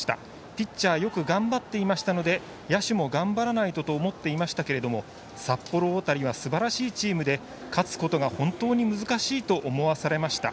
ピッチャーよく頑張っていましたので野手も頑張らないとと思っていましたけど札幌大谷はすばらしいチームで勝つことが本当に難しいと思わされました。